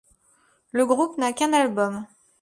Le groupe n’a qu’un album.